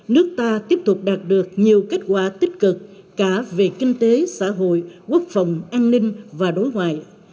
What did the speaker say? nước ta tiếp tục đạt được nhiều kết quả tích cực cả về kinh tế xã hội quốc phòng an ninh và đối ngoại